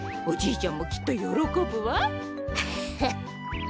おじいちゃんもきっとよろこぶわ。